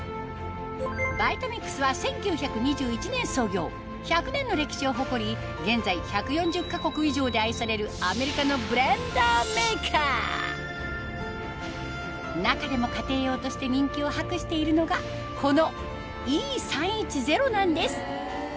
『女神のマルシェ』初登場１００年の歴史を誇り現在１４０か国以上で愛されるアメリカのブレンダーメーカー中でも家庭用として人気を博しているのがこのＥ３１０なんです